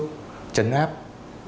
chấn áp với những tội phạm ma túy